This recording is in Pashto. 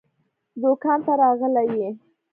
دوکان ته راغلی يې؟